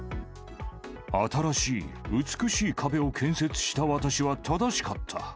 新しい、美しい壁を建設した私は正しかった。